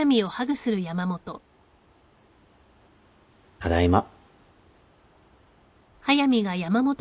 ただいま。